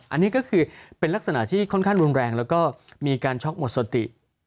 อันนี้ก็คือเป็นลักษณะที่ค่อนข้างรุนแรงแล้วก็มีการช็อกหมดสติ